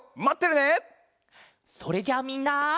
それじゃあみんな。